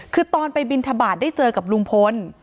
คือตอนไปบินทบาทได้เจอกับลุงพล